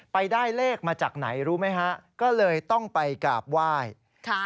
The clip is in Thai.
ไปได้เลขมาจากไหนรู้ไหมฮะก็เลยต้องไปกราบไหว้ค่ะ